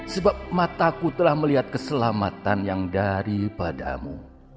sebab mataku telah melihat keselamatan yang daripadamu